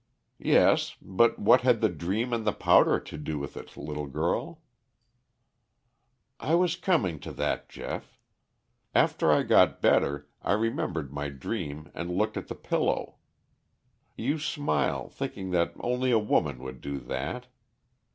"Yes, but what had the dream and the powder to do with it, little girl?" "I was coming to that, Geoff. After I got better I remembered my dream and looked at the pillow. You smile, thinking that only a woman would do that.